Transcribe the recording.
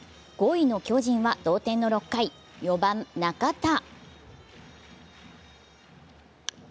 ５位の巨人は同点の６回、４番・中田。